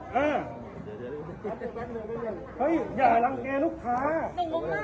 ไม่ได้ซื้อดทางแมงรับขบรรยา